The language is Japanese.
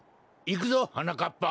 いくぞはなかっぱ。